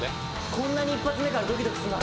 こんなに１発目からドキドキすんの